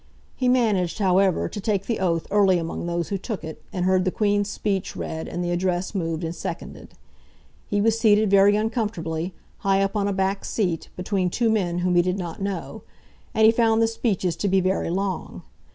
He managed, however, to take the oath early among those who took it, and heard the Queen's speech read and the Address moved and seconded. He was seated very uncomfortably, high up on a back seat, between two men whom he did not know; and he found the speeches to be very long.